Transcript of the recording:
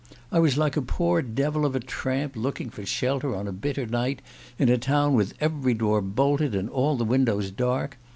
I was like a poor devil of a tramp looking for shelter on a bitter night, in a town with every door bolted and all the windows dark.